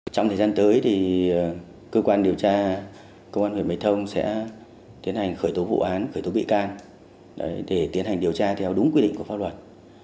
trong thời gian tới thì cơ quan điều tra công an huyện mê thông sẽ tiến hành khởi tố vụ án khởi tố bị can để tiến hành điều tra theo đúng quy định của pháp luật